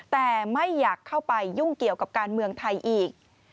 แต่ไม่อยากเข้าไปยุ่งเกี่ยวกับการเมืองไทยอีก